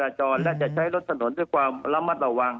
จรและจะใช้รถถนนด้วยความระมัดระวัง